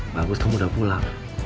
bagus kamu udah pulang